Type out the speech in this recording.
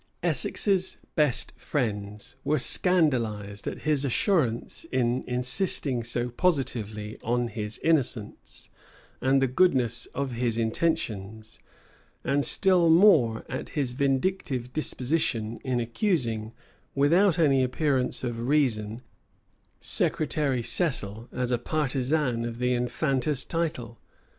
Essex's best friends were scandalized at his assurance in insisting so positively on his innocence, and the goodness of his intentions, and still more at his vindictive disposition, in accusing, without any appearance of reason, Secretary Cecil as a partisan of the infanta's title.